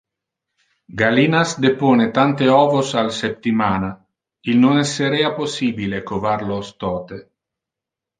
Gallinas depone tante ovos al septimana, il non esserea possibile covar los tote.